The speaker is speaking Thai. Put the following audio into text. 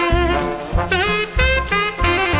สวัสดีครับ